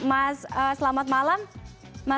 mas selamat malam